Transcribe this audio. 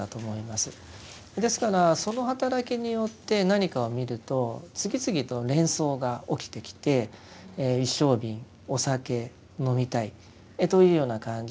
ですからその働きによって何かを見ると次々と連想が起きてきて一升瓶お酒飲みたいというような感じでいってしまうんだと思うんです。